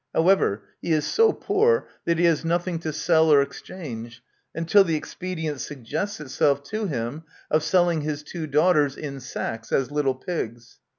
However, he is so poor that he has nothing to sell or exchange, until the expedient suggests itself to him of selling his two daughters in sacks as little pigs.